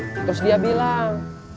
terus dia bilang